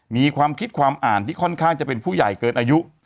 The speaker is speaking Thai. มีความคิดความอ่านที่ค่อนข้างจะเป็นผู้ใหญ่เกินอายุ